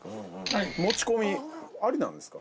持ち込みありなんですか？